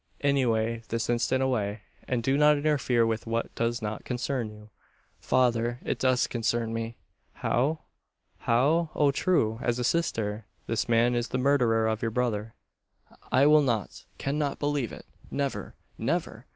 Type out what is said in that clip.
Away this instant away; and do not interfere with what does not concern you!" "Father, it does concern me!" "How? how? oh true as a sister! This man is the murderer of your brother." "I will not cannot believe it. Never never!